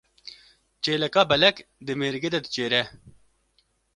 Çêleka belek di mêrgê de diçêre.